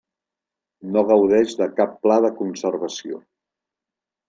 No gaudeix de cap pla de conservació.